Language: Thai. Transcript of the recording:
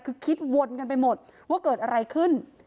คือคิดวนกันไปหมดว่าเกิดอะไรขึ้น